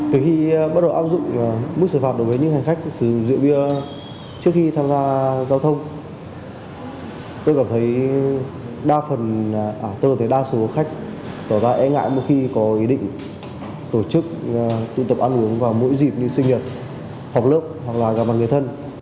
từ khi bắt đầu áp dụng mức xử phạt đối với những hành khách sử dụng rượu bia trước khi tham gia giao thông tôi cảm thấy đa số khách tỏ ra e ngại một khi có ý định tổ chức tụ tập ăn uống vào mỗi dịp như sinh nhật